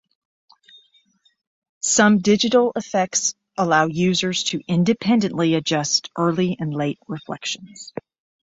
Some digital effects allow users to independently adjust early and late reflections.